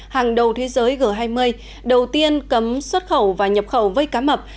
hàng đầu thế giới g hai mươi đầu tiên cấm xuất khẩu và nhập khẩu vây cá mập